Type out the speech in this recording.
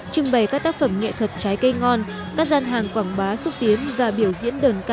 trưng bày các tác phẩm nghệ thuật trái cây ngon các gian hàng quảng bá xúc tiến và biểu diễn đơn ca